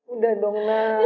udah dong nak